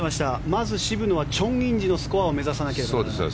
まず渋野はチョン・インジのスコアを目指さなければならない。